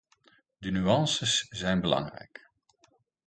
De nuances zijn belangrijk.